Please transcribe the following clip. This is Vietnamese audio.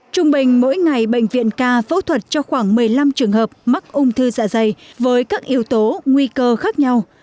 trung bình mỗi ngày bệnh viện ca phẫu thuật cho khoảng một mươi năm trường hợp mắc ung thư dạ dày với các yếu tố nguy cơ khác nhau